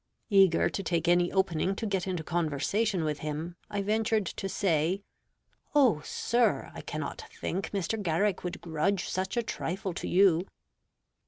Eager to take any opening to get into conversation with him, I ventured to say, "Oh, sir, I cannot think Mr. Garrick would grudge such a trifle to you."